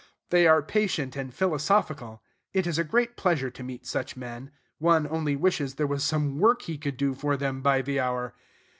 They are patient and philosophical. It is a great pleasure to meet such men. One only wishes there was some work he could do for them by the hour.